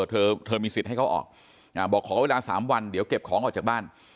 เธอมีสิทธิ์ให้เขาออกบอกขอเวลา๓วันเดี๋ยวเก็บของออกจากบ้าน